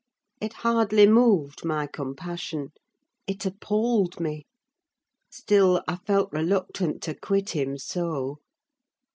It hardly moved my compassion—it appalled me: still, I felt reluctant to quit him so.